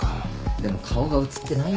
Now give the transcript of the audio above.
でも顔が映ってないんだよなあ。